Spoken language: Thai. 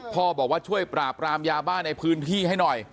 บอกว่าช่วยปราบรามยาบ้านในพื้นที่ให้หน่อย